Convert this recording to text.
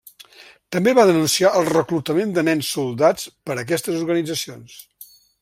També va denunciar el reclutament de nens soldats per aquestes organitzacions.